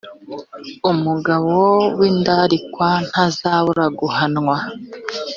umugabo w indarikwa ntazabura guhanwa